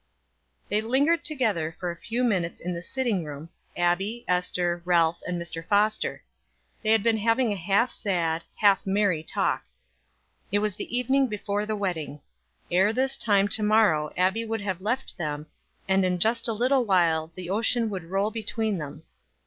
They lingered together for a few minutes in the sitting room, Abbie, Ester, Ralph and Mr. Foster. They had been having a half sad, half merry talk. It was the evening before the wedding. Ere this time to morrow Abbie would have left them, and in just a little while the ocean would roll between them.